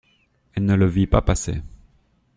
Elle ne le vit pas passer.